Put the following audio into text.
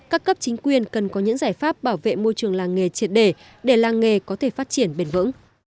các cấp chính quyền cần có những giải pháp bảo vệ môi trường làng nghề triệt để để làng nghề có thể phát triển bền vững